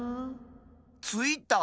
ついた？